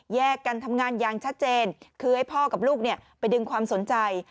แยกกันทำงานอย่างชัดเจนคือให้พ่อกับลูกไปดึงความสนใจ